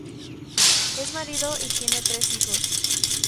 Es marido y tiene tres hijos.